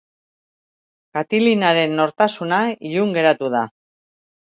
Katilinaren nortasuna ilun geratu da.